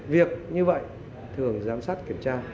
việc như vậy thường giám sát kiểm tra